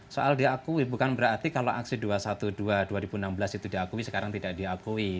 soal diakui bukan berarti kalau aksi dua ratus dua belas dua ribu enam belas itu diakui sekarang tidak diakui